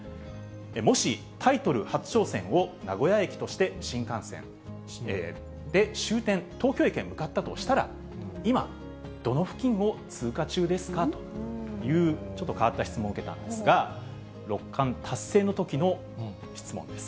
もしタイトル初挑戦を名古屋駅として、新幹線で終点、東京駅へ向かったとしたら、今、どの付近を通過中ですか？という、ちょっと変わった質問を受けたんですが、六冠達成のときの質問です。